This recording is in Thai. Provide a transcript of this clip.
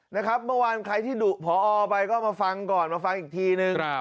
เมื่อวานใครที่ดุพอไปก็มาฟังก่อนมาฟังอีกทีนึง